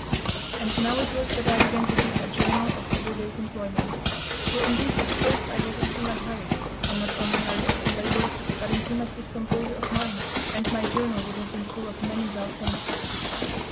And now it was that I began to keep a journal of every day's employment; for, indeed, at first I was in too much hurry, and not only hurry as to labor, but in too much discomposure of mind; and my journal would have been full of many dull things.